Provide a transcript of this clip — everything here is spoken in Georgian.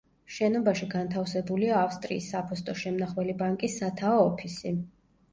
შენობაში განთავსებულია ავსტრიის საფოსტო შემნახველი ბანკის სათაო ოფისი.